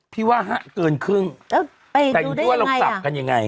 พี่ว่า๕เกินครึ่งแต่อย่างนี้ว่าเราจับกันยังไง